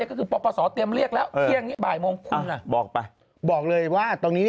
ก็คือปปศเตรียมเรียกแล้วเที่ยงเนี้ยบ่ายโมงคุณอ่ะ